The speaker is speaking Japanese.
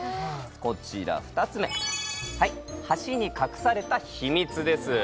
こちら２つ目「橋に隠された秘密」です